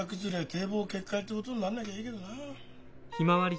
堤防決壊ってことになんなきゃいいけどなあ。